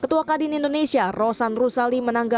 menanggap kadin ini adalah perusahaan publik yang terbaik